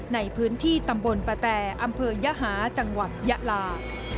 ในพื้นที่ตำบลปะแต่อำเภอยหาจังหวัดยะลา